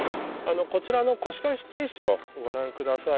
こちらの腰掛石をご覧ください。